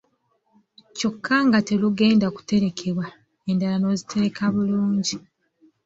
Kyokka nga terugenda kuterekebwa, endala n’ozitereka bulungi